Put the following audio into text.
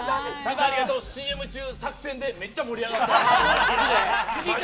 ＣＭ中、作戦でめっちゃ盛り上がってました。